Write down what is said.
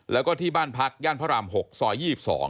แล้วก็ที่บ้านพักย่านพระราม๖ซอย๒๒